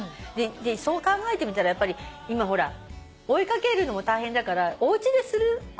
そう考えてみたらやっぱり今ほら追い掛けるのも大変だからおうちですることが多く。